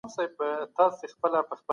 ایا ته د دغو کیسو په اړه پوهېږې؟